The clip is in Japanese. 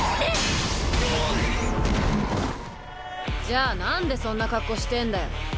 じゃあなんでそんな格好してんだよ。